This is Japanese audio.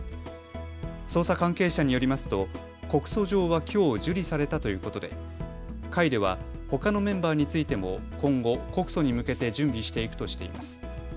捜査関係者によりますと告訴状はきょう受理されたということで会ではほかのメンバーについても今後、告訴に向けて準備していくとしています。